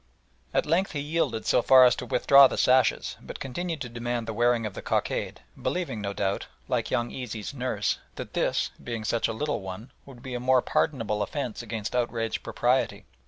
At length he yielded so far as to withdraw the sashes, but continued to demand the wearing of the cockade, believing, no doubt, like young Easy's nurse, that this, being such a little one, would be a more pardonable offence against outraged propriety.